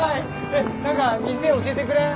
えっ何か店教えてくれん？